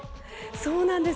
そうなんです。